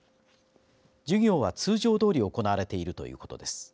授業は、通常どおり行われているということです。